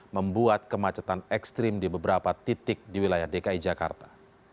membuat kemacetan ekstrim di beberapa titik di wilayah dki jakarta